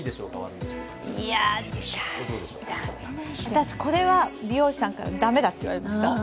私、これは美容師さんから駄目だと言われました。